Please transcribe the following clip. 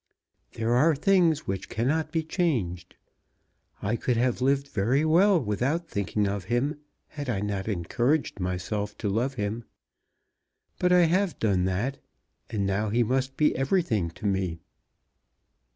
There are things which cannot be changed. I could have lived very well without thinking of him had I not encouraged myself to love him. But I have done that, and now he must be everything to me."